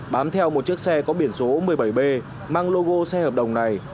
bám theo một chiếc xe có biển số một mươi bảy b mang logo xe hợp đồng này